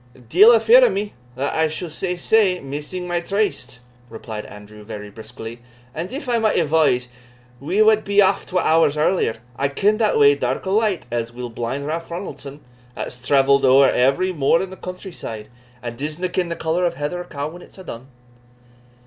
"Deil a fear o' me (that I suld say sae) missing my tryste," replied Andrew, very briskly; "and if I might advise, we wad be aff twa hours earlier. I ken the way, dark or light, as weel as blind Ralph Ronaldson, that's travelled ower every moor in the country side, and disna ken the colour of a heather cowe when a's dune."